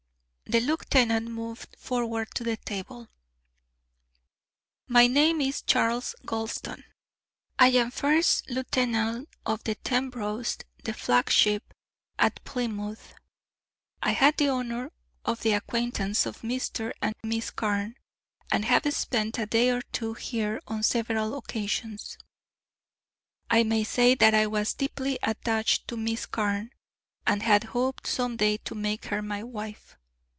The lieutenant moved forward to the table: "My name is Charles Gulston. I am first lieutenant of the Tenebreuse, the flagship at Plymouth. I had the honour of the acquaintance of Mr. and Miss Carne, and have spent a day or two here on several occasions. I may say that I was deeply attached to Miss Carne, and had hoped some day to make her my wife.